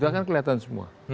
itu akan kelihatan semua